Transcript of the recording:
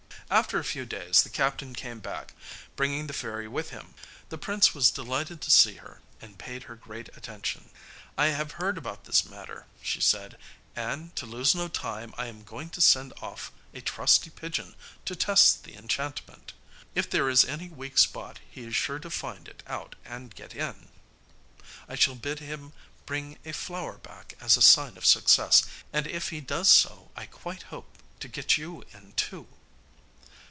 After a few days the captain came back, bringing the fairy with him. The prince was delighted to see her, and paid her great attention. 'I have heard about this matter,' she said; 'and, to lose no time, I am going to send off a trusty pigeon to test the enchantment. If there is any weak spot he is sure to find it out and get in. I shall bid him bring a flower back as a sign of success; and if he does so I quite hope to get you in too.